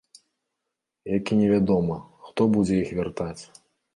Як і невядома, хто будзе іх вяртаць.